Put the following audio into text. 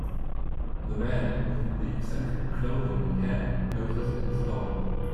The man with the eccentric clothing and hair poses in a store.